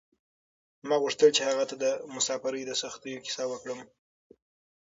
ما غوښتل چې هغې ته د مساپرۍ د سختیو کیسه وکړم.